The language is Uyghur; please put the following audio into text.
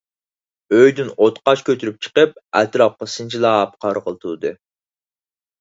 ئۆيدىن ئوتقاش كۆتۈرۈپ چىقىپ، ئەتراپقا سىنچىلاپ قارىغىلى تۇردى.